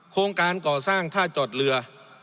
โครงการก่อสร้างท่าจอดเรือ